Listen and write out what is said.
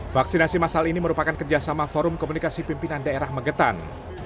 vaksinasi masal ini merupakan kerjasama forum komunikasi pimpinan daerah magetan